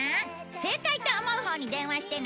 正解と思うほうに電話してね！